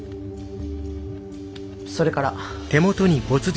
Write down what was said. それから。